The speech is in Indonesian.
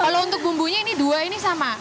kalau untuk bumbunya ini dua ini sama